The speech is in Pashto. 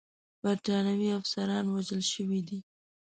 برټانوي افسران وژل شوي دي.